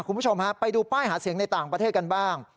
คุณผู้ชมฮะไปดูป้ายหาเสียงในต่างประเทศกันบ้าง